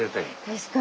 確かに。